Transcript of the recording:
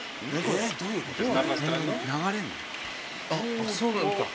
あっそうなのか。